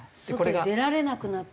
外に出られなくなって。